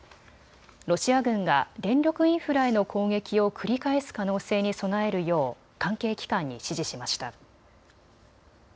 ロシア軍が電力インフラへの攻撃を繰り返す可能性に備えるよう関係機関に指示しました。